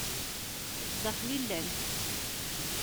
Zdaxel i llant.